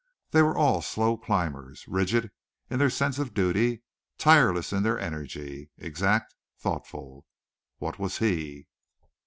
They were all slow climbers, rigid in their sense of duty, tireless in their energy, exact, thoughtful. What was he?